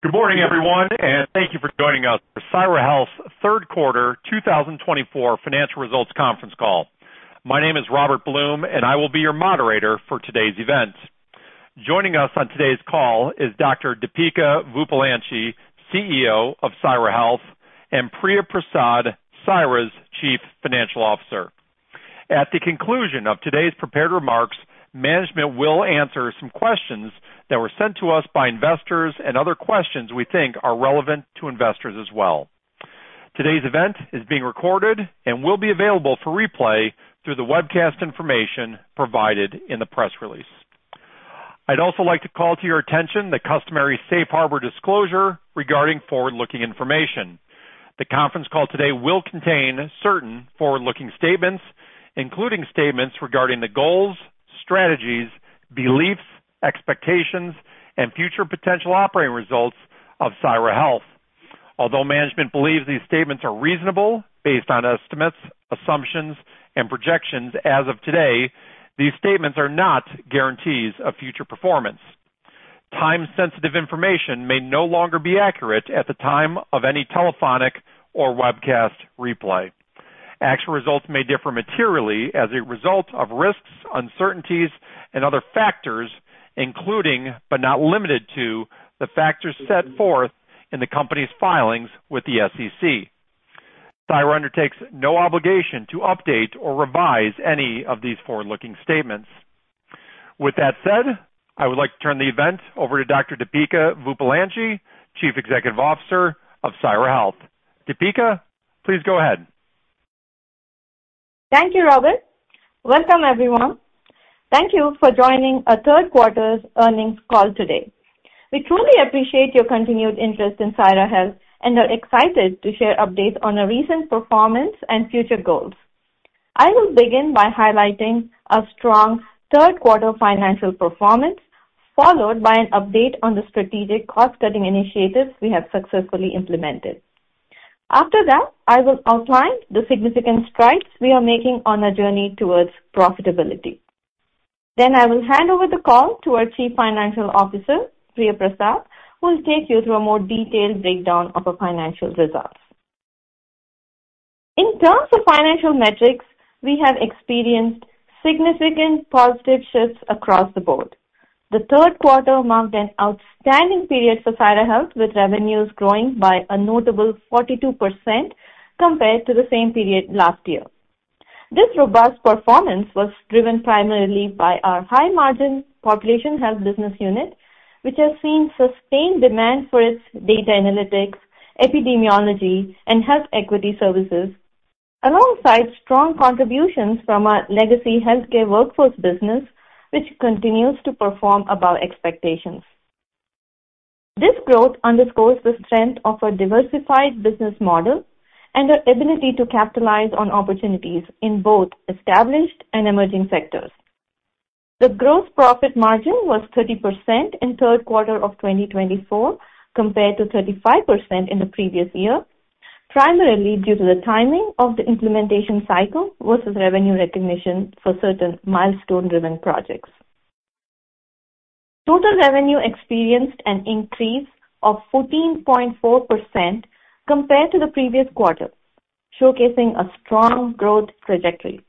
Good morning, everyone, and thank you for joining us for Syra Health's third quarter 2024 financial results conference call. My name is Robert Blum, and I will be your moderator for today's event. Joining us on today's call is Dr. Deepika Vuppalanchi, CEO of Syra Health, and Priya Prasad, Syra's Chief Financial Officer. At the conclusion of today's prepared remarks, management will answer some questions that were sent to us by investors and other questions we think are relevant to investors as well. Today's event is being recorded and will be available for replay through the webcast information provided in the press release. I'd also like to call to your attention the customary safe harbor disclosure regarding forward-looking information. The conference call today will contain certain forward-looking statements, including statements regarding the goals, strategies, beliefs, expectations, and future potential operating results of Syra Health. Although management believes these statements are reasonable based on estimates, assumptions, and projections as of today, these statements are not guarantees of future performance. Time-sensitive information may no longer be accurate at the time of any telephonic or webcast replay. Actual results may differ materially as a result of risks, uncertainties, and other factors, including, but not limited to, the factors set forth in the company's filings with the SEC. Syra undertakes no obligation to update or revise any of these forward-looking statements. With that said, I would like to turn the event over to Dr. Deepika Vuppalanchi, Chief Executive Officer of Syra Health. Deepika, please go ahead. Thank you, Robert. Welcome, everyone. Thank you for joining a third quarter's earnings call today. We truly appreciate your continued interest in Syra Health and are excited to share updates on our recent performance and future goals. I will begin by highlighting our strong third quarter financial performance, followed by an update on the strategic cost-cutting initiatives we have successfully implemented. After that, I will outline the significant strides we are making on our journey towards profitability. Then I will hand over the call to our Chief Financial Officer, Priya Prasad, who will take you through a more detailed breakdown of our financial results. In terms of financial metrics, we have experienced significant positive shifts across the board. The third quarter marked an outstanding period for Syra Health, with revenues growing by a notable 42% compared to the same period last year. This robust performance was driven primarily by our high-margin population health business unit, which has seen sustained demand for its data analytics, epidemiology, and health equity services, alongside strong contributions from our legacy healthcare workforce business, which continues to perform above expectations. This growth underscores the strength of our diversified business model and our ability to capitalize on opportunities in both established and emerging sectors. The gross profit margin was 30% in the third quarter of 2024, compared to 35% in the previous year, primarily due to the timing of the implementation cycle versus revenue recognition for certain milestone-driven projects. Total revenue experienced an increase of 14.4% compared to the previous quarter, showcasing a strong growth trajectory.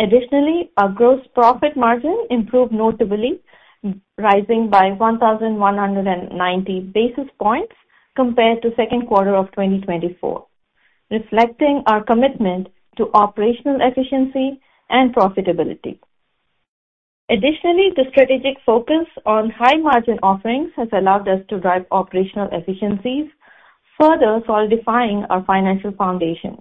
Additionally, our gross profit margin improved notably, rising by 1,190 basis points compared to the second quarter of 2024, reflecting our commitment to operational efficiency and profitability. Additionally, the strategic focus on high-margin offerings has allowed us to drive operational efficiencies, further solidifying our financial foundation.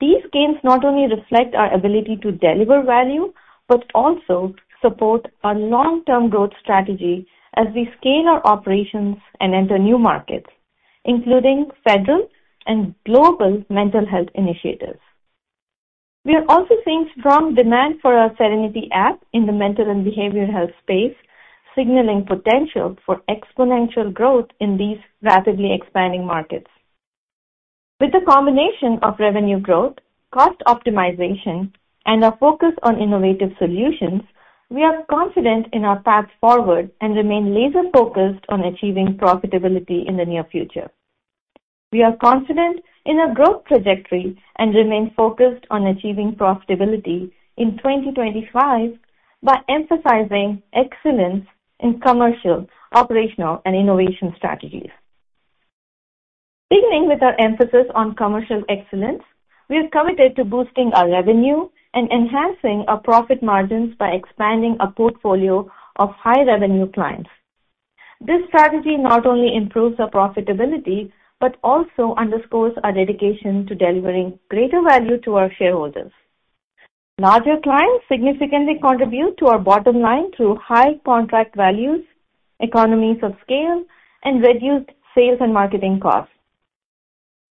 These gains not only reflect our ability to deliver value but also support our long-term growth strategy as we scale our operations and enter new markets, including federal and global mental health initiatives. We are also seeing strong demand for our Serenity app in the mental and behavioral health space, signaling potential for exponential growth in these rapidly expanding markets. With the combination of revenue growth, cost optimization, and a focus on innovative solutions, we are confident in our path forward and remain laser-focused on achieving profitability in the near future. We are confident in our growth trajectory and remain focused on achieving profitability in 2025 by emphasizing excellence in commercial, operational, and innovation strategies. Beginning with our emphasis on commercial excellence, we are committed to boosting our revenue and enhancing our profit margins by expanding our portfolio of high-revenue clients. This strategy not only improves our profitability but also underscores our dedication to delivering greater value to our shareholders. Larger clients significantly contribute to our bottom line through high contract values, economies of scale, and reduced sales and marketing costs.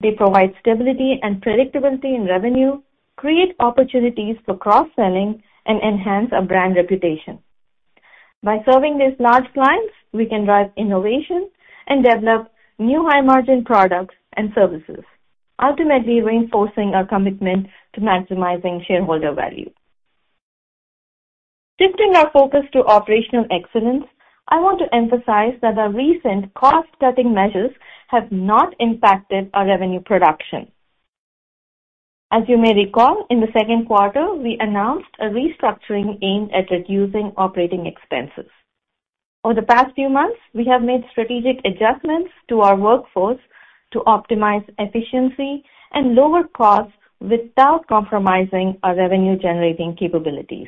They provide stability and predictability in revenue, create opportunities for cross-selling, and enhance our brand reputation. By serving these large clients, we can drive innovation and develop new high-margin products and services, ultimately reinforcing our commitment to maximizing shareholder value. Shifting our focus to operational excellence, I want to emphasize that our recent cost-cutting measures have not impacted our revenue production. As you may recall, in the second quarter, we announced a restructuring aimed at reducing operating expenses. Over the past few months, we have made strategic adjustments to our workforce to optimize efficiency and lower costs without compromising our revenue-generating capabilities.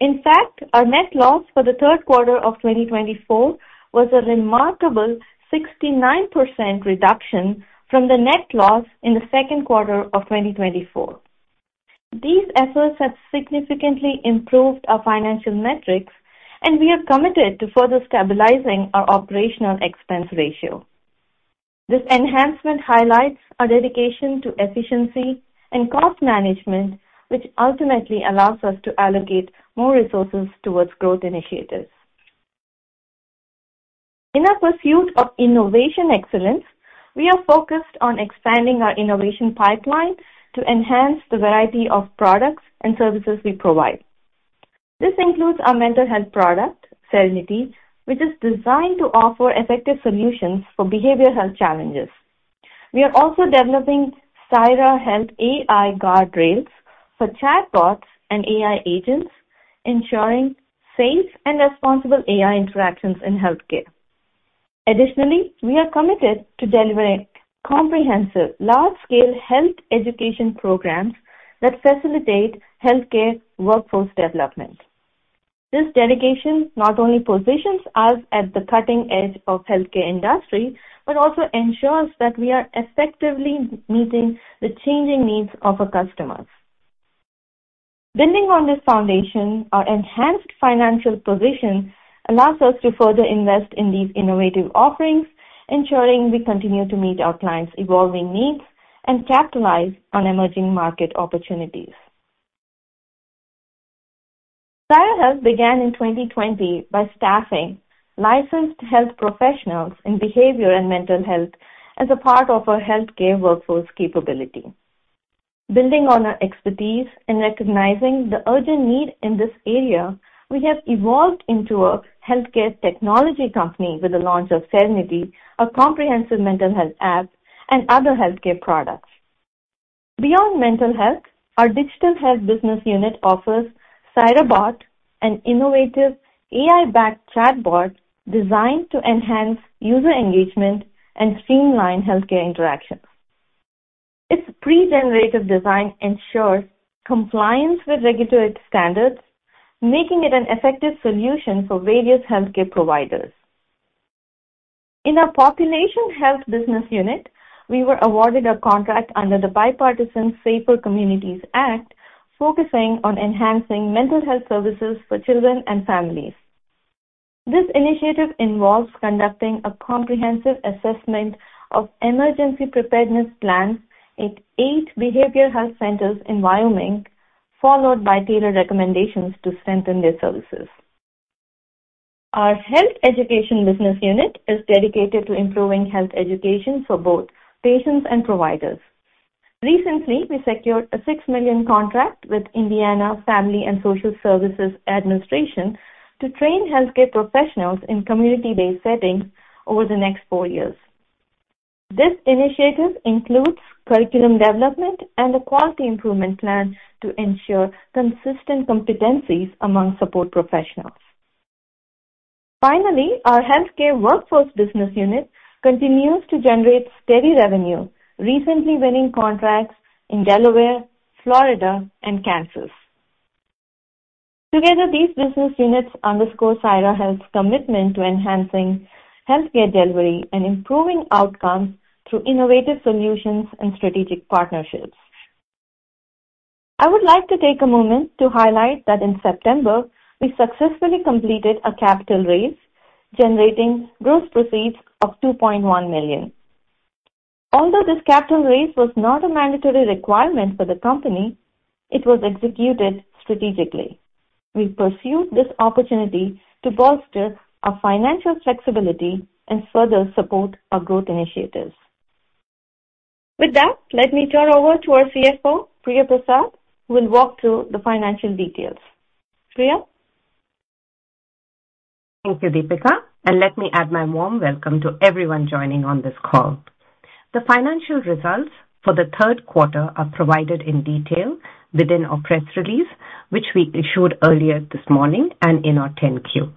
In fact, our net loss for the third quarter of 2024 was a remarkable 69% reduction from the net loss in the second quarter of 2024. These efforts have significantly improved our financial metrics, and we are committed to further stabilizing our operational expense ratio. This enhancement highlights our dedication to efficiency and cost management, which ultimately allows us to allocate more resources towards growth initiatives. In our pursuit of innovation excellence, we are focused on expanding our innovation pipeline to enhance the variety of products and services we provide. This includes our mental health product, Serenity, which is designed to offer effective solutions for behavioral health challenges. We are also developing Syra Guardrails for chatbots and AI agents, ensuring safe and responsible AI interactions in healthcare. Additionally, we are committed to delivering comprehensive large-scale health education programs that facilitate healthcare workforce development. This dedication not only positions us at the cutting edge of the healthcare industry but also ensures that we are effectively meeting the changing needs of our customers. Building on this foundation, our enhanced financial position allows us to further invest in these innovative offerings, ensuring we continue to meet our clients' evolving needs and capitalize on emerging market opportunities. Syra Health began in 2020 by staffing licensed health professionals in behavioral and mental health as a part of our healthcare workforce capability. Building on our expertise and recognizing the urgent need in this area, we have evolved into a healthcare technology company with the launch of Serenity, a comprehensive mental health app, and other healthcare products. Beyond mental health, our digital health business unit offers SyraBot, an innovative AI-backed chatbot designed to enhance user engagement and streamline healthcare interactions. Its pre-generative design ensures compliance with regulatory standards, making it an effective solution for various healthcare providers. In our population health business unit, we were awarded a contract under the Bipartisan Safer Communities Act, focusing on enhancing mental health services for children and families. This initiative involves conducting a comprehensive assessment of emergency preparedness plans at eight behavioral health centers in Wyoming, followed by tailored recommendations to strengthen their services. Our health education business unit is dedicated to improving health education for both patients and providers. Recently, we secured a $6 million contract with Indiana Family and Social Services Administration to train healthcare professionals in community-based settings over the next four years. This initiative includes curriculum development and a quality improvement plan to ensure consistent competencies among support professionals. Finally, our healthcare workforce business unit continues to generate steady revenue, recently winning contracts in Delaware, Florida, and Kansas. Together, these business units underscore Syra Health's commitment to enhancing healthcare delivery and improving outcomes through innovative solutions and strategic partnerships. I would like to take a moment to highlight that in September, we successfully completed a capital raise, generating gross proceeds of $2.1 million. Although this capital raise was not a mandatory requirement for the company, it was executed strategically. We pursued this opportunity to bolster our financial flexibility and further support our growth initiatives. With that, let me turn over to our CFO, Priya Prasad, who will walk through the financial details. Priya? Thank you, Deepika. Let me add my warm welcome to everyone joining on this call. The financial results for the third quarter are provided in detail within our press release, which we issued earlier this morning and in our 10-Q.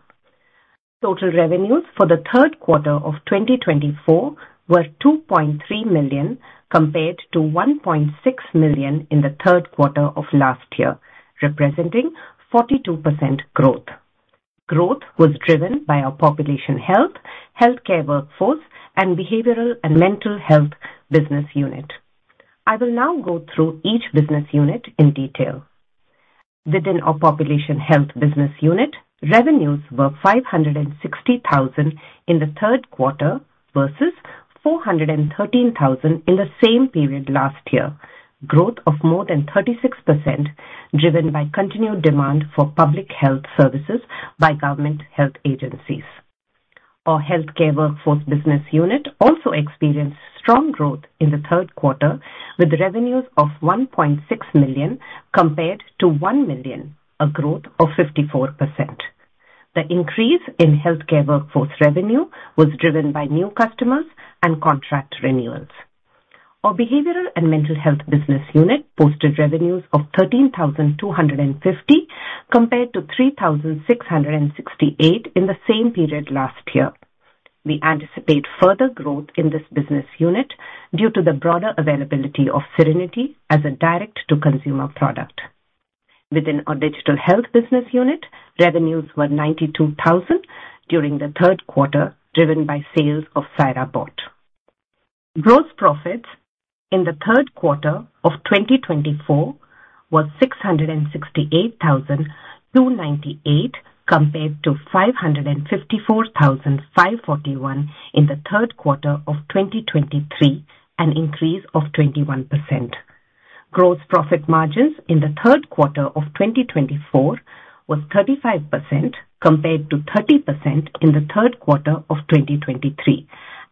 Total revenues for the third quarter of 2024 were $2.3 million compared to $1.6 million in the third quarter of last year, representing 42% growth. Growth was driven by our population health, healthcare workforce, and behavioral and mental health business unit. I will now go through each business unit in detail. Within our population health business unit, revenues were $560,000 in the third quarter versus $413,000 in the same period last year, growth of more than 36% driven by continued demand for public health services by government health agencies. Our healthcare workforce business unit also experienced strong growth in the third quarter, with revenues of $1.6 million compared to $1 million, a growth of 54%. The increase in healthcare workforce revenue was driven by new customers and contract renewals. Our behavioral and mental health business unit posted revenues of $13,250 compared to $3,668 in the same period last year. We anticipate further growth in this business unit due to the broader availability of Serenity as a direct-to-consumer product. Within our digital health business unit, revenues were $92,000 during the third quarter, driven by sales of SyraBot. Gross profits in the third quarter of 2024 were $668,298 compared to $554,541 in the third quarter of 2023, an increase of 21%. Gross profit margins in the third quarter of 2024 were 35% compared to 30% in the third quarter of 2023,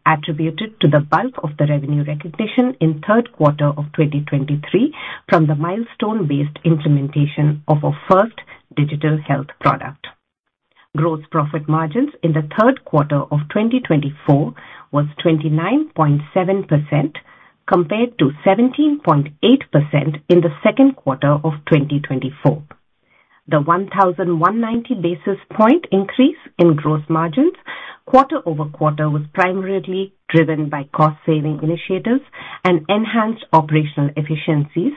attributed to the bulk of the revenue recognition in the third quarter of 2023 from the milestone-based implementation of our first digital health product. Gross profit margins in the third quarter of 2024 were 29.7% compared to 17.8% in the second quarter of 2024. The 1,190 basis points increase in gross margins quarter over quarter was primarily driven by cost-saving initiatives and enhanced operational efficiencies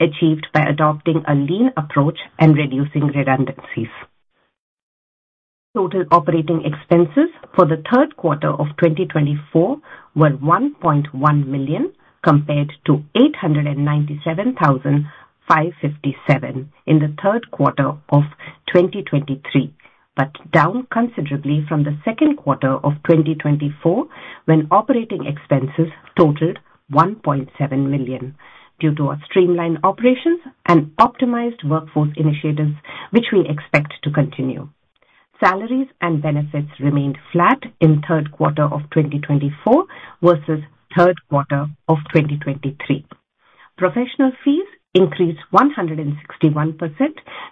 achieved by adopting a lean approach and reducing redundancies. Total operating expenses for the third quarter of 2024 were $1.1 million compared to $897,557 in the third quarter of 2023, but down considerably from the second quarter of 2024 when operating expenses totaled $1.7 million due to our streamlined operations and optimized workforce initiatives, which we expect to continue. Salaries and benefits remained flat in the third quarter of 2024 versus the third quarter of 2023. Professional fees increased 161%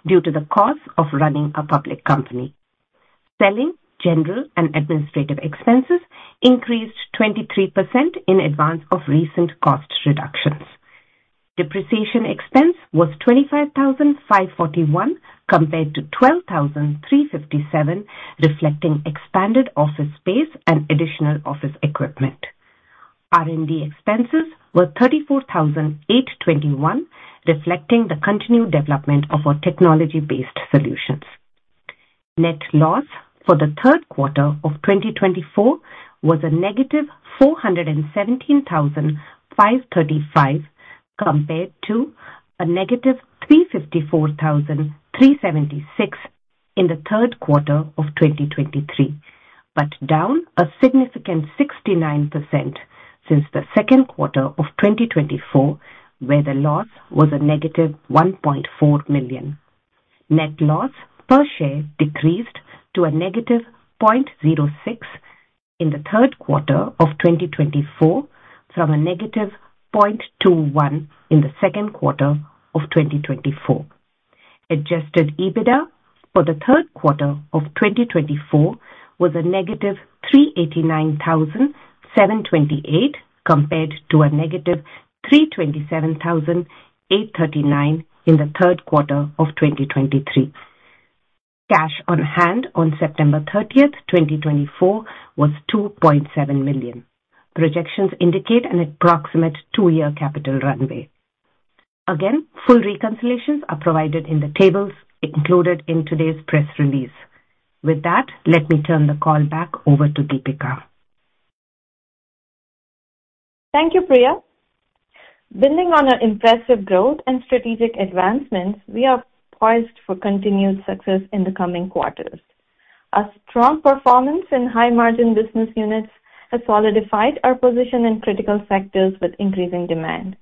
due to the cost of running a public company. Selling general and administrative expenses increased 23% in advance of recent cost reductions. Depreciation expense was $25,541 compared to $12,357, reflecting expanded office space and additional office equipment. R&D expenses were $34,821, reflecting the continued development of our technology-based solutions. Net loss for the third quarter of 2024 was a negative $417,535 compared to a negative $354,376 in the third quarter of 2023, but down a significant 69% since the second quarter of 2024, where the loss was a negative $1.4 million. Net loss per share decreased to a negative $0.06 in the third quarter of 2024 from a negative $0.21 in the second quarter of 2024. Adjusted EBITDA for the third quarter of 2024 was a negative $389,728 compared to a negative $327,839 in the third quarter of 2023. Cash on hand on September 30, 2024, was $2.7 million. Projections indicate an approximate two-year capital runway. Again, full reconciliations are provided in the tables included in today's press release. With that, let me turn the call back over to Deepika. Thank you, Priya. Building on our impressive growth and strategic advancements, we are poised for continued success in the coming quarters. Our strong performance in high-margin business units has solidified our position in critical sectors with increasing demand.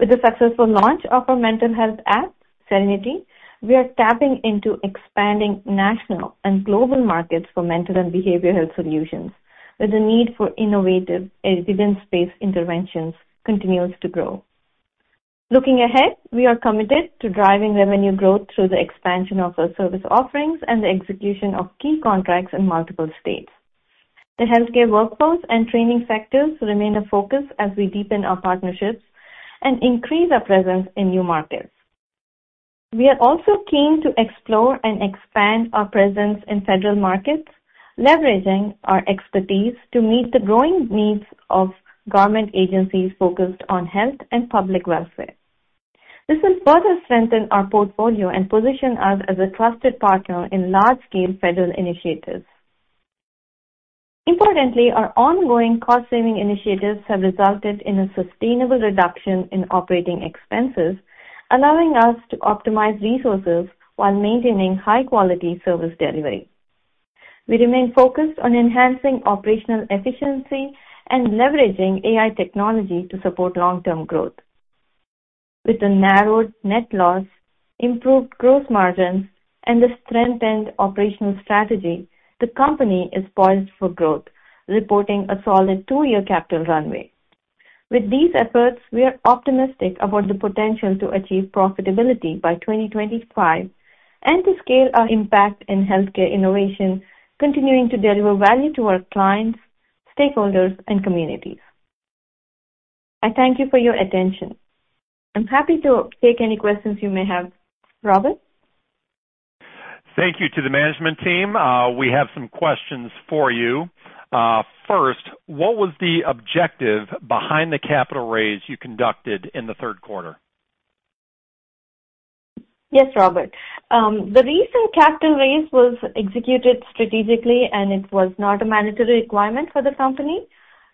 With the successful launch of our mental health app, Serenity, we are tapping into expanding national and global markets for mental and behavioral health solutions, where the need for innovative evidence-based interventions continues to grow. Looking ahead, we are committed to driving revenue growth through the expansion of our service offerings and the execution of key contracts in multiple states. The healthcare workforce and training sectors remain a focus as we deepen our partnerships and increase our presence in new markets. We are also keen to explore and expand our presence in federal markets, leveraging our expertise to meet the growing needs of government agencies focused on health and public welfare. This will further strengthen our portfolio and position us as a trusted partner in large-scale federal initiatives. Importantly, our ongoing cost-saving initiatives have resulted in a sustainable reduction in operating expenses, allowing us to optimize resources while maintaining high-quality service delivery. We remain focused on enhancing operational efficiency and leveraging AI technology to support long-term growth. With the narrowed net loss, improved gross margins, and the strengthened operational strategy, the company is poised for growth, reporting a solid two-year capital runway. With these efforts, we are optimistic about the potential to achieve profitability by 2025 and to scale our impact in healthcare innovation, continuing to deliver value to our clients, stakeholders, and communities. I thank you for your attention. I'm happy to take any questions you may have, Robert. Thank you to the management team. We have some questions for you. First, what was the objective behind the capital raise you conducted in the third quarter? Yes, Robert. The recent capital raise was executed strategically, and it was not a mandatory requirement for the company.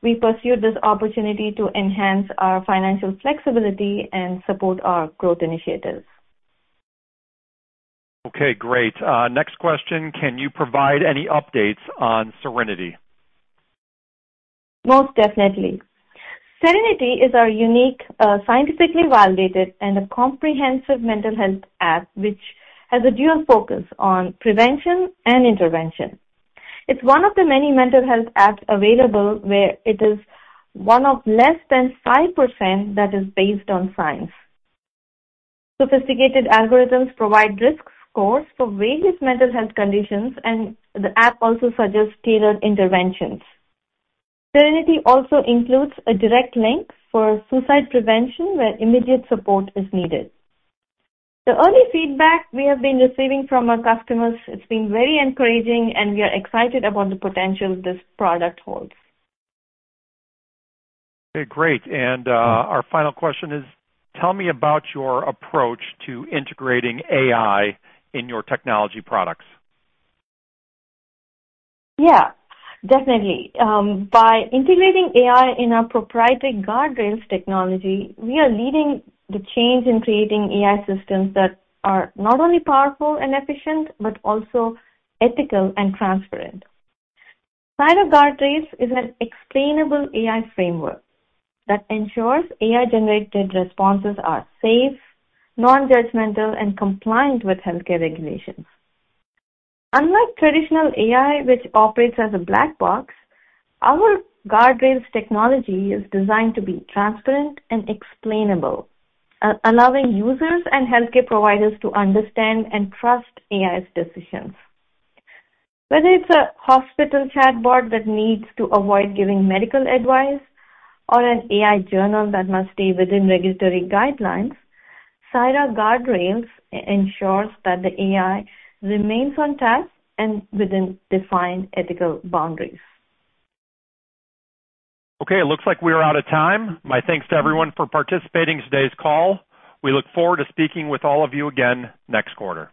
We pursued this opportunity to enhance our financial flexibility and support our growth initiatives. Okay, great. Next question, can you provide any updates on Serenity? Most definitely. Serenity is our unique, scientifically validated, and comprehensive mental health app, which has a dual focus on prevention and intervention. It's one of the many mental health apps available where it is one of less than 5% that is based on science. Sophisticated algorithms provide risk scores for various mental health conditions, and the app also suggests tailored interventions. Serenity also includes a direct link for suicide prevention where immediate support is needed. The early feedback we have been receiving from our customers, it's been very encouraging, and we are excited about the potential this product holds. Okay, great. And our final question is, tell me about your approach to integrating AI in your technology products? Yeah, definitely. By integrating AI in our proprietary Syra GuardRails technology, we are leading the change in creating AI systems that are not only powerful and efficient but also ethical and transparent. Syra GuardRails is an explainable AI framework that ensures AI-generated responses are safe, non-judgmental, and compliant with healthcare regulations. Unlike traditional AI, which operates as a black box, our Syra GuardRails technology is designed to be transparent and explainable, allowing users and healthcare providers to understand and trust AI's decisions. Whether it's a hospital chatbot that needs to avoid giving medical advice or an AI journal that must stay within regulatory guidelines, Syra GuardRails ensures that the AI remains on task and within defined ethical boundaries. Okay, it looks like we are out of time. My thanks to everyone for participating in today's call. We look forward to speaking with all of you again next quarter.